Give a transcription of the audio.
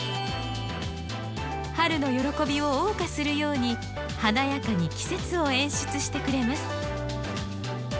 春の喜びを謳歌するように華やかに季節を演出してくれます。